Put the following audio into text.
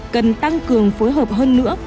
cần tăng cường phối hợp hơn nữa